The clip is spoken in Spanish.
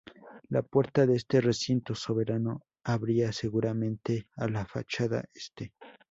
La puerta de este recinto soberano abría seguramente a la fachada este.